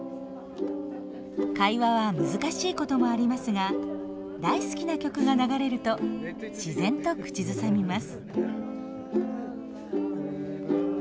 会話は難しいこともありますが大好きな曲が流れると自然と口ずさみます。